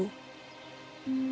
tidak ada apa apa